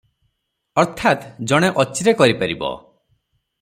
ଅର୍ଥାତ ଜଣେ ଅଚିରେ କରିପାରିବ ।